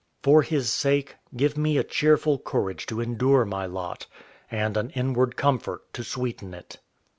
For His sake, give me a cheerful courage to endure my lot, And an inward comfort to sweeten it.